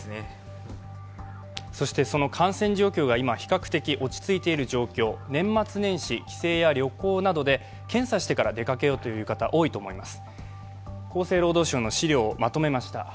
そして、感染状況が比較的落ち着いている状況、年末年始、帰省や旅行などで検査してから出かけようという方、多いと思います。